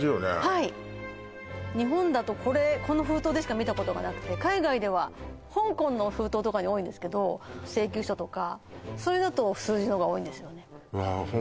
はい日本だとこの封筒でしか見たことがなくて海外では香港の封筒とかに多いんですけど請求書とかそれだと数字のが多いんですよね